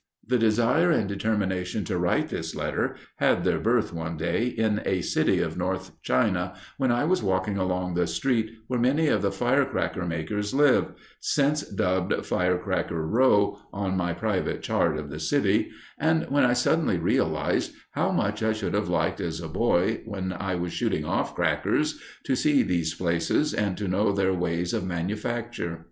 The desire and determination to write this letter had their birth one day in a city of North China when I was walking along the street where many of the firecracker makers live since dubbed "Firecracker Row" on my private chart of the city and when I suddenly realized how much I should have liked as a boy, when I was "shooting off crackers," to see these places and to know their ways of manufacture.